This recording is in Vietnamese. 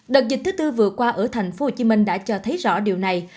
đợt dịch thứ tư vừa qua ở tp hcm đã cho thấy rõ điều này